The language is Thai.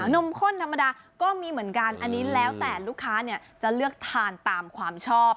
นมข้นธรรมดาก็มีเหมือนกันอันนี้แล้วแต่ลูกค้าเนี่ยจะเลือกทานตามความชอบ